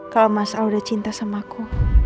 kalau mas al udah cinta sama aku